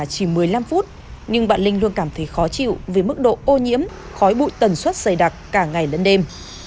khi về nhà chỉ một mươi năm phút nhưng bạn linh luôn cảm thấy khó chịu với mức độ ô nhiễm khói bụi tần suất xây đặc cả ngày lẫn đêm